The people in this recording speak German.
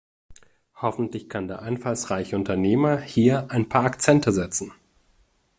Hoffentlich kann der einfallsreiche Unternehmer hier ein paar Akzente setzen.